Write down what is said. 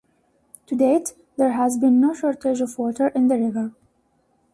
To date, there has been no shortage of water in the river.